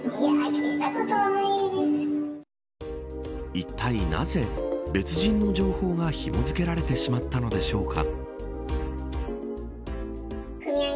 いったい、なぜ別人の情報がひも付けられてしまったのでしょうか。